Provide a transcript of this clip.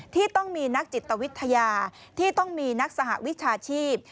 ที่ต้องมีนักจิตวิทยาที่ต้องมีนักสหวิชาชีพ